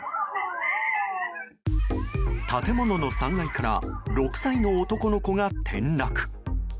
建物の３階から６歳の男の子が転落。